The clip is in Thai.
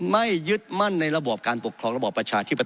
ไม่ยึดมั่นภาครวัลการหล้างประชาธิปฏิภัติภัณฑ์